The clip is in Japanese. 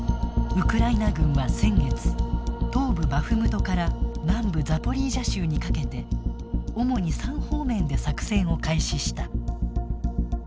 ウクライナ軍は先月東部バフムトから南部ザポリージャ州にかけて主に３方面で作戦を開始した。